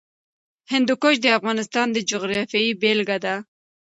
هندوکش د افغانستان د جغرافیې بېلګه ده.